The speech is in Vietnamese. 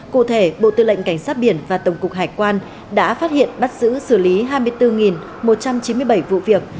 cụ thể bộ tư lệnh cảnh sát biển và tổng cục hải quan đã phát hiện bắt giữ xử lý hai mươi bốn một trăm chín mươi bảy vụ việc